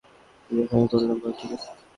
কোথাও যেও না, বলরাম, ঠিক আছে?